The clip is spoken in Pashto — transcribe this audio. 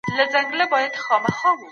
زه د یوې غني ټولني په هیله یم.